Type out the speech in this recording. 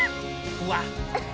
うわっ。